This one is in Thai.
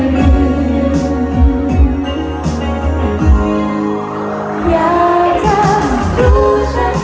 มองได้ไหมทีที่ฉันจะยืนก่อนจะอยู่ตรงนี้